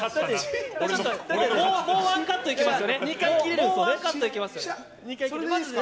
もうワンカットいけます。